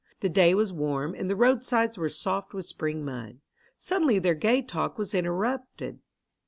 The day was warm and the roadsides were soft with spring mud. Suddenly their gay talk was interrupted.